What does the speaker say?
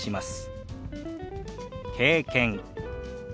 「経験」